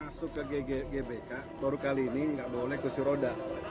masuk ke gbk baru kali ini nggak boleh naik kursi roda